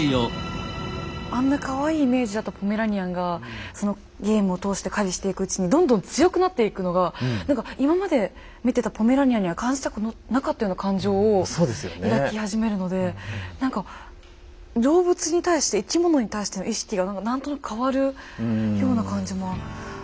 あんなかわいいイメージだったポメラニアンがそのゲームを通して狩りしていくうちにどんどん強くなっていくのが何か今まで見てたポメラニアンには感じたことなかったような感情を抱き始めるので何か動物に対して生き物に対しての意識が何となく変わるような感じもあったので。